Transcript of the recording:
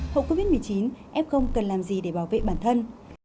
hậu covid một mươi chín f cần làm gì để bảo vệ bản thân